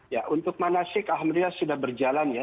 ya untuk manasik alhamdulillah sudah berjalan ya